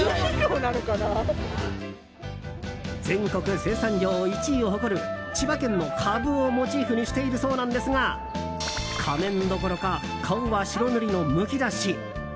全国生産量１位を誇る千葉県のカブをモチーフにしているそうなんですが仮面どころか顔は白塗りのむき出し。